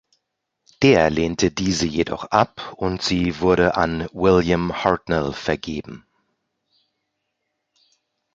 Der lehnte diese jedoch ab und sie wurde an William Hartnell vergeben.